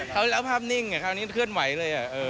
เขาแล้วภาพนิ่งคราวนี้เคลื่อนไหวเลย